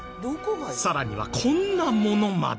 さらにはこんなものまで。